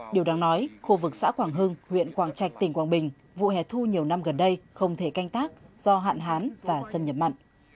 điều đáng nói khu vực xã quảng hưng huyện quảng trạch tỉnh quảng bình vụ hẻ thu nhiều năm gần đây không thể canh tác do hạn hán và xâm nhập mặn